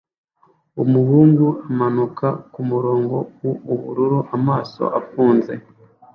Umuhungu amanuka kumurongo wubururu amaso afunze